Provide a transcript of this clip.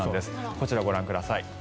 こちら、ご覧ください。